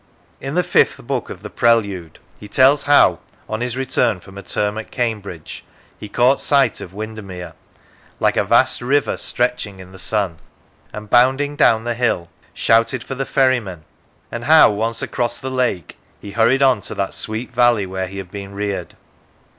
In the Fifth Book of the Prelude he tells how, on his return from a term at Cambridge, he caught sight of Windermere, " like a vast river, stretching in the sun," and bounding down the hill, shouted for the ferryman; and how, once across the lake, he hurried on to " that sweet valley where he had been reared."